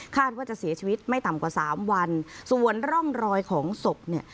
ว่าจะเสียชีวิตไม่ต่ำกว่าสามวันส่วนร่องรอยของศพเนี่ย